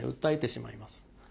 訴えてしまいます。